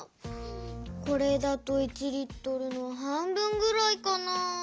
これだと１Ｌのはんぶんぐらいかな？